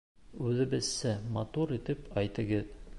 — Үҙебеҙсә матур итеп әйтегеҙ.